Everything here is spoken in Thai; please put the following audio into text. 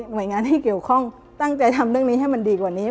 โดยงานที่เกี่ยวข้องตั้งใจทำเรื่องนี้ให้มันดีกว่านี้